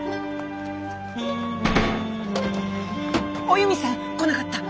おゆみさん来なかった？